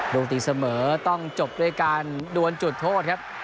โดนตีเสมอต้องจบด้วยการดวนจุดโทษครับ